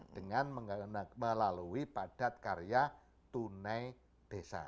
dengan melalui padat karya tunai desa